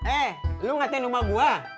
eh lu ngapain rumah gue